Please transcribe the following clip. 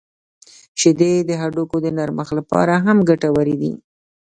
• شیدې د هډوکو د نرمښت لپاره هم ګټورې دي.